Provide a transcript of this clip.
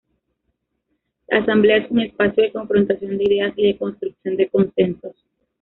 La asamblea es un espacio de confrontación de ideas y de construcción de consensos.